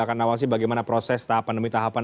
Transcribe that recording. akan awasi bagaimana proses tahapan demi tahapan